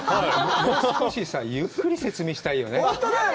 もう少しさゆっくり説明したいよね